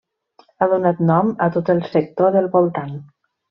Ha donat nom a tot el sector del voltant.